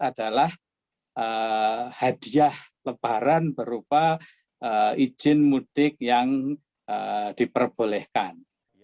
adalah hadiah lebaran berupa izin mudik yang diperbolehkan